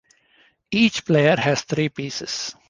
Each player has three pieces.